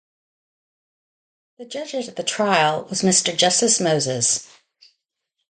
The judge at the trial was Mr Justice Moses.